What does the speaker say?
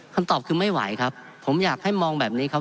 คำตอบคือไม่ไหวครับผมอยากให้มองแบบนี้ครับ